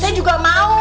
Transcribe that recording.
saya juga mau